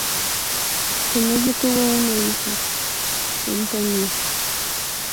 Con ella tuvo una hija, Antonia.